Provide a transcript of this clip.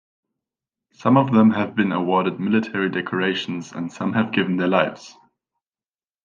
Some of them have been awarded military decorations, and some have given their lives.